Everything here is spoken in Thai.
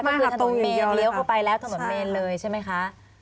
ไม่ครับตรงอย่างเยอะเลยครับเลี้ยวเข้าไปแล้วถนนเมนเลยใช่ไหมคะ